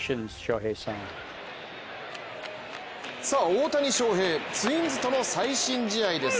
大谷翔平ツインズとの最新試合です。